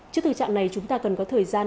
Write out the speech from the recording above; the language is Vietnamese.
trước thực trạng này chúng ta cần có thời gian